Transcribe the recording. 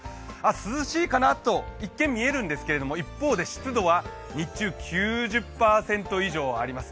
涼しいかなと一見、見えるんですけど、一方で湿度は日中９０％以上あります。